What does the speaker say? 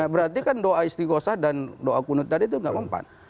berarti kan doa istikosah dan doa kunud tadi itu tidak mempat